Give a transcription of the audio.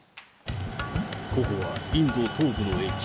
ここはインド東部の駅。